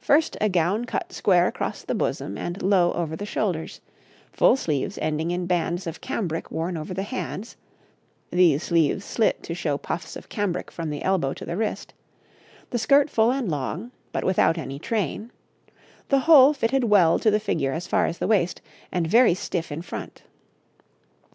First, a gown cut square across the bosom and low over the shoulders, full sleeves ending in bands of cambric over the hands (these sleeves slit to show puffs of cambric from the elbow to the wrist), the skirt full and long, but without any train; the whole fitted well to the figure as far as the waist, and very stiff in front.